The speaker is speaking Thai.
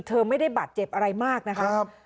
เธอไม่ได้บาดเจ็บอะไรมากนะครับ